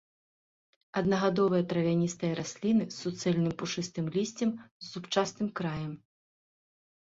Аднагадовыя травяністыя расліны з суцэльным пушыстым лісцем з зубчастым краем.